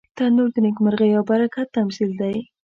تنور د نیکمرغۍ او برکت تمثیل دی